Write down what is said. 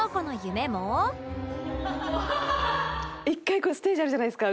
こういうステージあるじゃないですか。